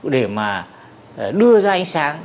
để mà đưa ra ánh sáng